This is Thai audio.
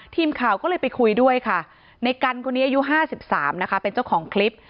ทีมข่าวก็เลยไปคุยด้วยค่ะในกันคนนี้อายุ๕๓นะคะเป็นเจ้าของคลิป